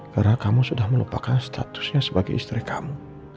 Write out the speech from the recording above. karena kamu sudah melupakan statusnya sebagai istri kamu